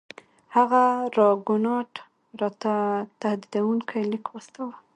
هغه راګونات راو ته تهدیدونکی لیک واستاوه.